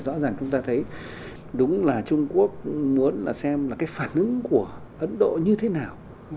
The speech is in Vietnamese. rõ ràng chúng ta thấy đúng là trung quốc muốn là xem là cái phản ứng của ấn độ như thế nào